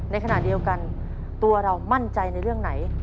ในขณะเดียวกันตัวเรามั่นใจในเรื่องไหน